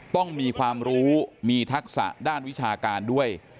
ต้องมีความรู้มีทักษะด้านวิชาการด้วย